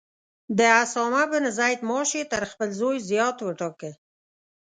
د اسامه بن زید معاش یې تر خپل زوی زیات وټاکه.